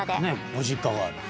ご実家がある。